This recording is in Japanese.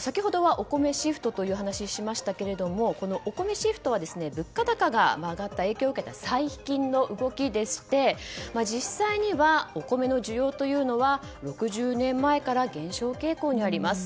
先ほどはお米シフトという話をしましたがこのお米シフトは物価高の影響を受けた最近の動きでして実際にはお米の需要というのは６０年前から減少傾向にあります。